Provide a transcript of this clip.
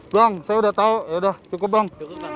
bang saya udah tahu yaudah cukup bang